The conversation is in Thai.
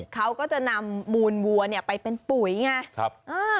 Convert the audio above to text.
เขาก็จะนำมูลวัวเนี่ยไปเป็นปุ๋ยไง